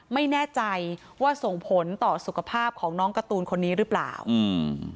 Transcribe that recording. ไม่แน่ใจว่าส่งผลต่อสุขภาพของน้องการ์ตูนคนนี้หรือเปล่าอืม